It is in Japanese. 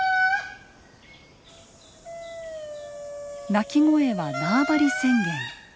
鳴き声は縄張り宣言。